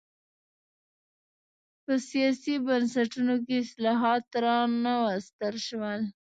خو په سیاسي بنسټونو کې اصلاحات را نه وستل شول.